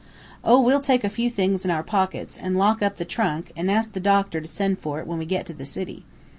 "'Oh, we'll take a few things in our pockets, an' lock up the trunk, an' ask the doctor to send for it when we get to the city.'